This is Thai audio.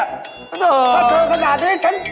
ถ้าเธอกระดาษนี้